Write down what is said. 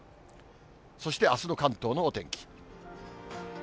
そして、あすの関東のお天気。